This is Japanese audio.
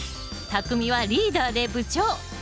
たくみはリーダーで部長。